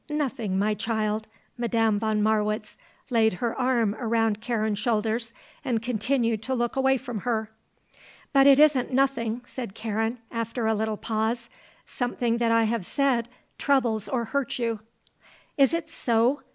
Nothing, my child." Madame von Marwitz laid her arm around Karen's shoulders and continued to look away from her. "But it isn't nothing," said Karen, after a little pause. "Something that I have said troubles or hurts you." "Is it so?